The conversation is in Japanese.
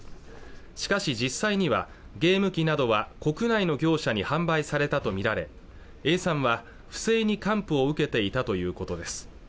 しかし実際にはゲーム機などは国内の業者に販売されたと見られ永山は不正に還付を受けていたということです